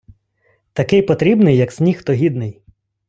Такий потрібний, як сніг тогідний.